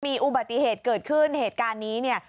มีอุบัติเหตุเกิดขึ้นเหตุการณ์นี้เนี่ย